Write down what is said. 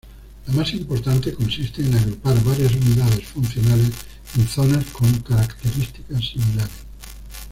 La más importante consiste en agrupar varias unidades funcionales en zonas con características similares.